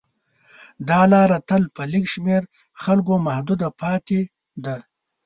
دا لاره تل په لږ شمېر خلکو محدوده پاتې ده.